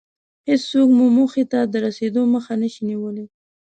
هېڅوک مو موخې ته د رسېدو مخه نشي نيولی.